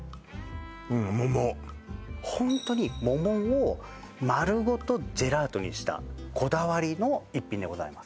うん桃ホントに桃を丸ごとジェラートにしたこだわりの一品でございます